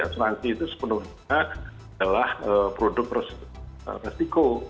asuransi itu sepenuhnya adalah produk resiko